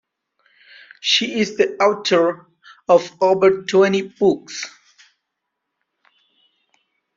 She is the author of over twenty books.